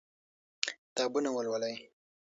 کتابونه ولولئ.